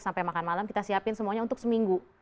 sampai makan malam kita siapin semuanya untuk seminggu